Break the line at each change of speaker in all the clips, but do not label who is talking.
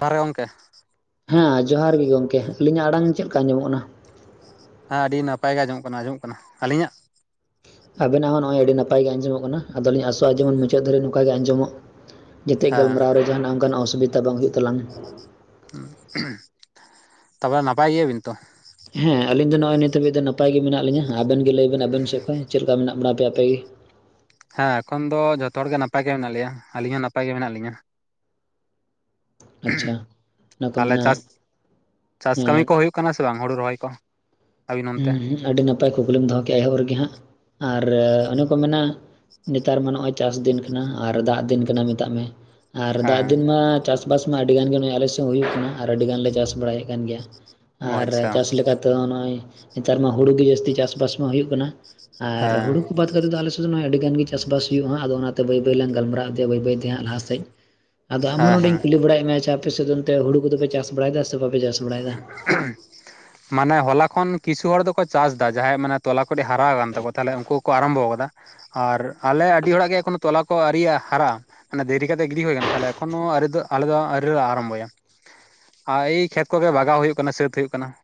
ᱡᱚᱦᱟᱨ ᱜᱮ ᱜᱚᱝᱠᱮ᱾
ᱦᱮᱸ ᱡᱚᱦᱟᱨ ᱜᱮ ᱜᱚᱝᱠᱮ ᱟᱹᱞᱤᱧᱟᱜ ᱟᱲᱟᱝ ᱪᱮᱫ ᱞᱮᱠᱟ ᱧᱟᱢᱚᱜ ᱠᱟᱱᱟ?
ᱦᱮᱸ ᱟᱹᱰᱤ ᱱᱟᱯᱟᱭ ᱜᱮ ᱟᱸᱡᱚᱢᱚᱜ ᱠᱟᱱᱟ ᱟᱸᱡᱚᱢᱚᱜ ᱠᱟᱱᱟ, ᱟᱹᱞᱤᱧᱟᱜ?
ᱟᱵᱮᱱᱟᱜ ᱦᱚᱸ ᱱᱚᱜᱼᱚᱭ ᱟᱹᱰᱤ ᱱᱟᱯᱟᱭ ᱜᱮ ᱟᱸᱡᱚᱢᱚᱜ ᱠᱟᱱᱟ, ᱟᱫᱚ ᱞᱤᱧ ᱟᱥᱚᱜᱼᱟ ᱡᱮᱢᱚᱱ ᱢᱩᱪᱟᱹᱫ ᱫᱷᱟᱹᱨᱤᱡ ᱱᱚᱝᱠᱟ ᱜᱮ ᱟᱸᱡᱚᱢᱚᱜ ᱡᱟᱛᱮᱜ
ᱦᱮᱸ
ᱜᱟᱞᱢᱟᱨᱟᱣ ᱨᱮ ᱡᱟᱦᱟᱱᱟᱜ ᱚᱱᱠᱟᱱᱟᱜ ᱚᱥᱩᱵᱤᱛᱟ ᱵᱟᱝ ᱦᱩᱭᱩᱜ ᱛᱟᱞᱟᱝ᱾
ᱩᱸ [unintelligible] ᱛᱟᱯᱚᱨᱮ ᱱᱟᱯᱟᱭ ᱜᱮᱭᱟᱵᱤᱱ ᱛᱚ?
ᱦᱮᱸ ᱟᱞᱤᱧ ᱫᱚ ᱱᱚᱜᱟᱭ ᱱᱤᱛᱚᱜ ᱱᱤᱛ ᱦᱟᱹᱵᱤᱡ ᱫᱚ ᱱᱟᱯᱟᱭ ᱜᱮ ᱢᱮᱱᱟᱜ ᱞᱤᱧᱟ ᱟᱵᱮᱱ ᱜᱮ ᱞᱟᱹᱭ ᱵᱮᱱ ᱟᱵᱤᱱ ᱥᱮᱫ ᱠᱷᱚᱡ ᱪᱮᱫ ᱞᱮᱠᱟ ᱢᱮᱱᱟᱜ ᱵᱚᱲᱟ ᱟᱯᱮ ᱟᱯᱮ ᱜᱮ?
ᱦᱮᱸ ᱮᱠᱷᱚᱱ ᱫᱚ ᱡᱷᱚᱛᱚ ᱦᱚᱲ ᱜᱮ ᱱᱟᱯᱟᱭ ᱜᱮ ᱢᱮᱱᱟᱜ ᱞᱮᱭᱟ, ᱟᱹᱞᱤᱧ ᱦᱚᱸ ᱱᱟᱯᱟᱭ ᱜᱮ ᱢᱮᱱᱟᱜ ᱞᱤᱧᱟᱹ᱾
ᱟᱪᱪᱷᱟ
[unintelligible]
ᱚᱱᱟ ᱠᱚ
ᱛᱟᱞᱦᱮ
ᱢᱮᱱᱟ
ᱪᱟᱥ, ᱪᱟᱥ ᱠᱟᱹᱢᱤ
ᱦᱮᱸ
ᱠᱚ ᱦᱩᱭᱩᱜ ᱠᱟᱱᱟ ᱥᱮ ᱵᱟᱝ ᱦᱩᱲᱩ ᱨᱚᱦᱚᱭ ᱠᱚ? ᱟᱹᱵᱤᱱ ᱚᱱᱛᱮ
ᱦᱩᱸ ᱦᱩᱸ ᱟᱹᱰᱤ ᱱᱟᱯᱟᱭ ᱠᱩᱠᱞᱤᱢ ᱫᱚᱦᱚ ᱠᱮᱜᱼᱟ ᱮᱦᱚᱵ ᱨᱮᱜ ᱜᱮ ᱦᱟᱸᱜ, ᱟᱨ ᱚᱱᱮ ᱠᱚ ᱢᱮᱱᱟ ᱱᱮᱛᱟᱨ ᱢᱟ ᱱᱚᱜᱚᱭ ᱪᱟᱥ ᱫᱤᱱ ᱠᱟᱱᱟ, ᱟᱨ ᱫᱟᱜ ᱫᱤᱱ ᱠᱟᱱᱟ ᱢᱮᱛᱟᱜ ᱢᱮ, ᱟᱨ ᱫᱟᱜ
ᱦᱮᱸ
ᱫᱤᱱ ᱢᱟ ᱪᱟᱥ ᱵᱟᱥ ᱢᱟ ᱟᱹᱰᱤ ᱜᱟᱱ ᱜᱮ ᱱᱚᱜ-ᱚᱭ ᱟᱞᱮ ᱥᱮᱫ ᱦᱚᱸ ᱦᱩᱭᱩᱜ ᱠᱟᱱᱟ ᱟᱨ ᱟᱹᱰᱤ ᱜᱟᱱ ᱞᱮ ᱪᱟᱥ ᱵᱟᱲᱟᱭᱮᱫ ᱠᱟᱱ ᱜᱮᱭᱟ,
ᱚ
ᱟᱨ
ᱟᱪᱪᱷᱟ
ᱪᱟᱥ ᱞᱮᱠᱟ ᱛᱚ ᱱᱚᱜᱼᱚᱭ ᱦᱮᱸᱛᱟᱨ ᱢᱟ ᱦᱩᱲᱩ ᱜᱮ ᱡᱟᱹᱥᱛᱤ ᱪᱟᱥᱵᱟᱥ ᱢᱟ ᱦᱩᱭᱩᱜ ᱠᱟᱱᱟ ᱟᱨ
ᱦᱮᱸ
ᱦᱩᱲᱩ ᱠᱚ ᱵᱟᱫ ᱠᱟᱛᱮ ᱫᱚ ᱟᱞᱮ ᱥᱮᱫ ᱫᱚ ᱱᱚᱜ-ᱚᱭ ᱟᱹᱰᱤᱜᱟᱱ ᱜᱮ ᱪᱟᱥᱵᱟᱥ ᱦᱩᱭᱩᱜᱼᱟ ᱦᱟᱸᱜ ᱟᱫᱚ ᱚᱱᱟᱛᱮ ᱵᱟᱹᱭ ᱵᱟᱹᱭ ᱞᱟᱝ ᱜᱟᱞᱢᱟᱨᱟᱜ ᱮᱱᱛᱮ ᱵᱟᱹᱭ ᱵᱟᱹᱭ ᱦᱟᱸᱜ ᱞᱟᱦᱟ ᱥᱮᱫ᱾ ᱟᱫᱚ ᱟᱢ ᱦᱚᱸ
ᱦᱮᱸ ᱦᱮᱸ
ᱱᱚᱰᱮᱧ ᱠᱩᱞᱤ ᱵᱟᱲᱟᱭᱮᱫ ᱢᱮᱭᱟ ᱡᱮ ᱟᱯᱮ ᱥᱮᱫ ᱱᱚᱛᱮ ᱦᱩᱲᱩ ᱠᱚᱫᱚ ᱯᱮ ᱪᱟᱥ ᱵᱟᱲᱟᱭᱮᱫᱟ ᱥᱮ ᱵᱟᱯᱮ ᱪᱟᱥᱟ?
[unintelligible]
[inaudible]
ᱢᱟᱱᱮ ᱦᱚᱞᱟ ᱠᱷᱚᱱ ᱠᱤᱪᱷᱩ ᱦᱚᱲ ᱫᱚᱠᱚ ᱪᱟᱥ ᱫᱟ ᱡᱟᱦᱟᱸᱭᱟᱜ ᱢᱟᱱᱮ ᱛᱚᱞᱟ ᱠᱚᱴᱤᱡ ᱦᱟᱨᱟᱣ ᱠᱟᱱ ᱛᱟᱠᱚᱣᱟ ᱛᱟᱦᱞᱮ ᱩᱱᱠᱩ ᱠᱚ ᱟᱨᱟᱢᱵᱚ ᱠᱟᱫᱟ᱾ ᱟᱨ ᱟᱞᱮ ᱟᱹᱰᱤ ᱦᱚᱲᱟᱜ ᱜᱮ ᱮᱠᱷᱚᱱᱳ ᱛᱚᱞᱟ ᱠᱚ ᱟᱹᱣᱨᱤᱭᱟ-ᱟ ᱦᱟᱨᱟᱜ-ᱟ, ᱢᱟᱱᱮ ᱫᱮᱨᱤ ᱠᱟᱛᱮᱜ ᱜᱤᱰᱤ ᱦᱩᱭ ᱟᱠᱟᱱᱟ ᱛᱟᱦᱞᱮ ᱮᱠᱷᱚᱱᱳ ᱟᱣᱨᱤ ᱫᱚ ᱟᱞᱮ ᱫᱚ ᱟᱹᱣᱨᱤ ᱨᱮ ᱟᱨᱟᱢᱵᱚᱭᱟ ᱟᱨ ᱮᱭ ᱠᱷᱮᱛ ᱠᱚᱜᱮ ᱵᱟᱜᱟᱣ ᱦᱩᱭᱩᱜ ᱠᱟᱱᱟ ᱥᱟᱹᱛ ᱦᱩᱭᱩᱜ ᱠᱟᱱᱟ ᱾